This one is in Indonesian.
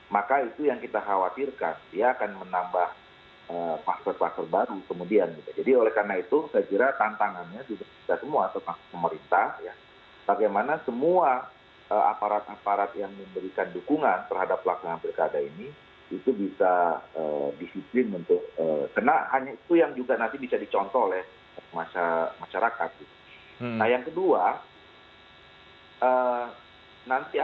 mas agus melas dari direktur sindikasi pemilu demokrasi